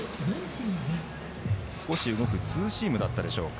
少し動くツーシームだったでしょうか。